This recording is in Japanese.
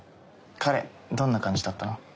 彼どんな感じだった